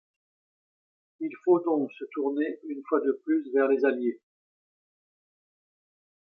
Il faut donc se tourner une fois de plus vers les Alliés.